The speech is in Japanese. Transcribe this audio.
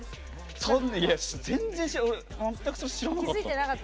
全然、全く知らなかった。